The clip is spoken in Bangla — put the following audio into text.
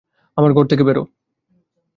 আমার ঘর থেকে বেরো!